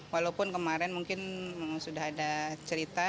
walaupun kemarin mungkin sudah ada cerita